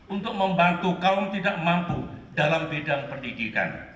untuk membantu kaum tidak mampu dalam bidang pendidikan